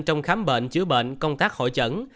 trong khám bệnh chữa bệnh công tác hội chẩn